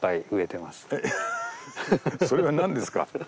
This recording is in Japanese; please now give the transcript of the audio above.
それは何ですか？